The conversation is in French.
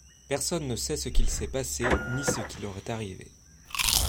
Personne ne sait ce qu'il s'est passé, ni ce qui leur est arrivé.